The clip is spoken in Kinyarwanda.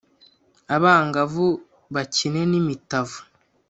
Abangavu bakine n'imitavu